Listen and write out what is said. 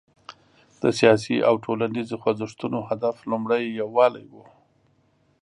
د سیاسي او ټولنیزو خوځښتونو هدف لومړی یووالی و.